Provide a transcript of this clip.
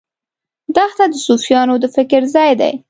دښته د صوفیانو د فکر ځای دی.